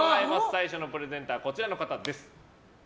最初のプレゼンターはこちらの方です。